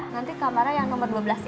nanti kamarnya yang nomor dua belas ya